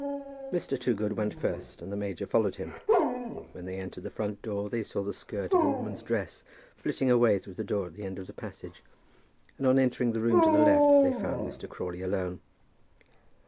Mr. Toogood went first, and the major followed him. When they entered the front door they saw the skirt of a woman's dress flitting away through the door at the end of the passage, and on entering the room to the left they found Mr. Crawley alone.